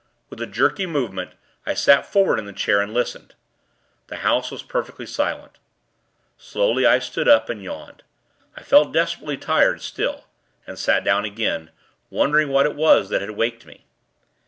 With a jerky movement, I sat forward in the chair, and listened. The house was perfectly silent. Slowly, I stood up, and yawned. I felt desperately tired, still, and sat down again; wondering what it was that had waked me.